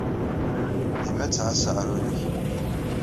Dima ttɛassa aɛrur-nnek.